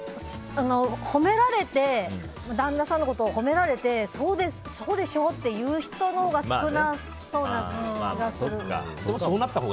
でも、旦那さんを褒められてそうでしょ？って言う人のほうが少なそうな気がする。